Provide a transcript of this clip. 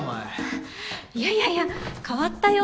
あっいやいやいや変わったよ